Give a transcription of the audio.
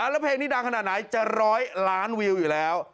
แล้วเพลงนี้ดังขนาดไหนจะ๑๐๐ล้านวิวอยู่แล้ว